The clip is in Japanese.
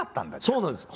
そうなんです！